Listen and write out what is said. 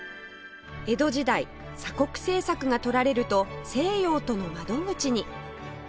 江戸時代鎖国政策が取られると西洋との窓口に